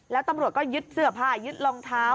แล้วตำรวจก็ยึดเสื้อผ้ายึดรองเท้า